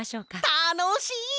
たのしい！